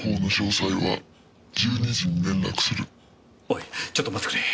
おいちょっと待ってくれ。